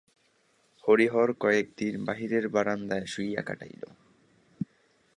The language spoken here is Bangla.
হরিহর কয়েকদিন বাহিরের বারান্দায় শুইয়া কটাইল।